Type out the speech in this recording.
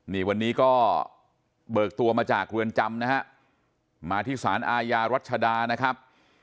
นี่วันนี้ก็เบิกตัวมาจากเรือนจำนะฮะมาที่สารอาญารัชดานะครับ